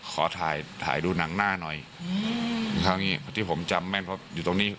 ขอถ่ายถ่ายดูหนังหน้าหน่อยคราวนี้ที่ผมจำแม่นเพราะอยู่ตรงนี้